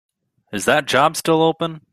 Is that job still open?